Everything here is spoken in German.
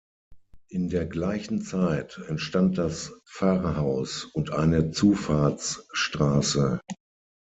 In der gleichen Zeit entstand das Pfarrhaus und eine Zufahrtsstrasse.